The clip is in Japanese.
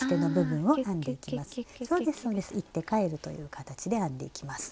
そうです行って帰るという形で編んでいきます。